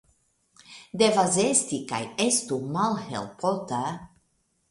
Devas esti kaj estu malhelpota.